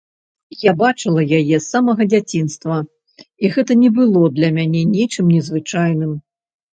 Я бачыла яе з самага дзяцінства, і гэта не было для мяне нечым незвычайным.